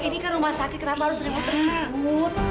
ini kan rumah sakit kenapa harus ribut ribut